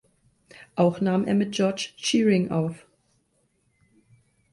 Auch nahm er mit George Shearing auf.